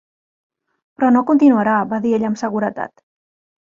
Però no continuarà, va dir ella amb seguretat.